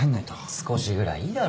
少しぐらいいいだろ。